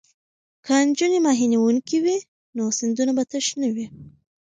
که نجونې ماهي نیونکې وي نو سیندونه به تش نه وي.